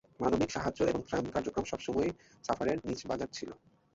মানবিক সাহায্য এবং ত্রাণ কার্যক্রম সবসময়ই সাফারের "নিচ" বাজার ছিল।